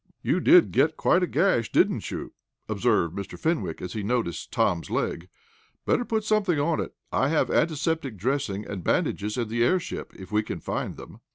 "You did get quite a gash; didn't you," observed Mr. Fenwick, as he noticed Tom's leg. "Better put something on it. I have antiseptic dressings and bandages in the airship, if we can find them."